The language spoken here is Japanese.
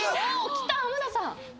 きた濱田さん。